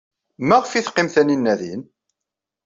Maɣef ay teqqim Taninna din?